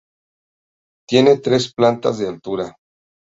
Tiene tres plantas de altura.